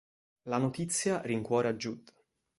La notizia rincuora Judd.